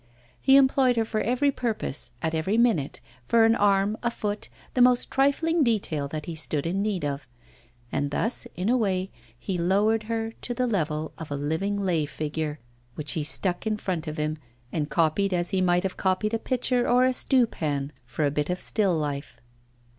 He employed her for every purpose, at every minute, for an arm, a foot, the most trifling detail that he stood in need of. And thus in a way he lowered her to the level of a 'living lay figure,' which he stuck in front of him and copied as he might have copied a pitcher or a stew pan for a bit of still life.